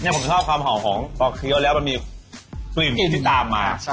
เพราะข้าวความหอมของต่อเคี่ยวแล้วมันมีเพวินเนทัลไปตามมา